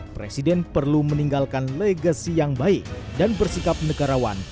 presiden perlu meninggalkan legasi yang baik dan bersikap negarawan